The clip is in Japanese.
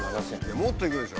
もっといくでしょ。